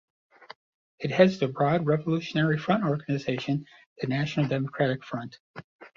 It heads the broad revolutionary front organization, the National Democratic Front.